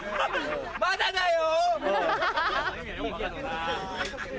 まだだよ。